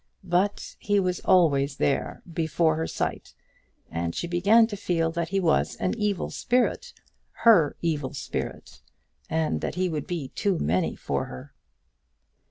But he was always there, before her sight, and she began to feel that he was an evil spirit, her evil spirit, and that he would be too many for her.